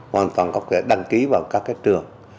hoàn toàn có thể đăng ký vào các trường